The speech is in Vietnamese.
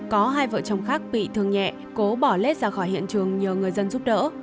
có hai vợ chồng khác bị thương nhẹ cố bỏ lết ra khỏi hiện trường nhờ người dân giúp đỡ